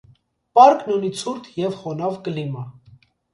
Պարկն ունի ցուրտ և խոնավ կլիմա։